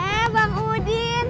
eh bang udin